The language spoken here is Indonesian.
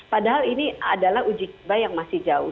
padahal ini adalah uji coba yang masih jauh